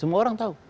semua orang tau